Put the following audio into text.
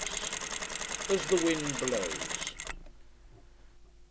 "AS THE WIND BLOWS."